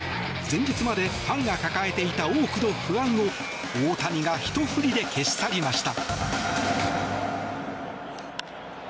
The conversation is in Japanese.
デッドボールに打撃不調と前日までファンが抱えていた多くの不安を大谷がひと振りで消し去りました！